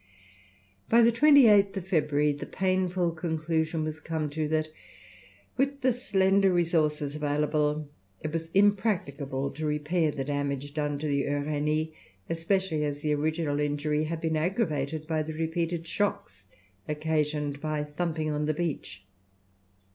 By the 28th February the painful conclusion was come to, that with the slender resources available, it was impracticable to repair the damage done to the Uranie, especially as the original injury had been aggravated by the repeated shocks occasioned by thumping on the beach.